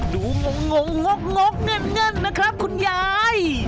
ดูงกงกงกเงินนะครับคุณยาย